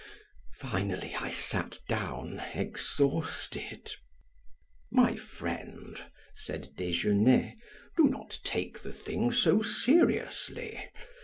Finally I sat down exhausted. "My friend," said Desgenais, "do not take the thing so seriously.